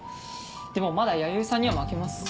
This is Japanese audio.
でもまだ弥生さんには負けます。